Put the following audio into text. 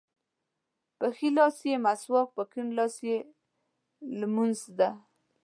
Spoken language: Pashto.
په ښي لاس یې مسواک په کیڼ لاس ږمونځ ده.